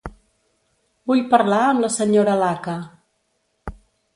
Vull parlar amb la senyora Laka.